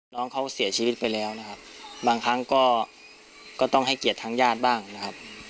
น้องเขาเสียชีวิตไปแล้วนะครับบางครั้งก็ต้องให้เกียรติทางญาติบ้างนะครับ